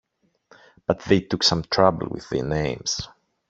But they took some trouble with the names.